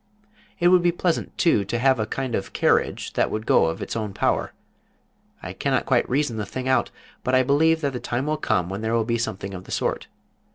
It would be pleasant, too, to have a kind of carriage that would go of its own power. I cannot quite reason the thing out, but I believe that the time will come when there will be something of the sort.